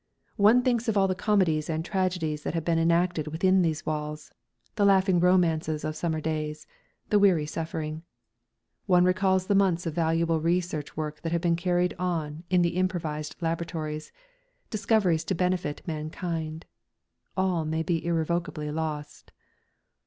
One thinks of all the comedies and tragedies that have been enacted within these walls, the laughing romances of summer days, the weary suffering. One recalls the months of valuable research work that have been carried on in the improvised laboratories discoveries to benefit mankind all may be irrevocably lost.